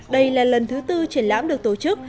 đây là lần thứ tư triển lãm được tổ chức